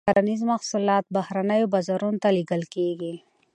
کرنیز محصولات بهرنیو بازارونو ته لیږل کیږي.